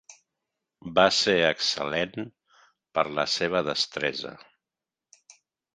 Va ser excel·lent per la seva destresa.